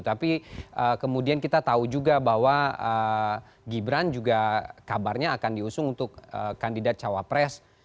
tapi kemudian kita tahu juga bahwa gibran juga kabarnya akan diusung untuk kandidat cawapres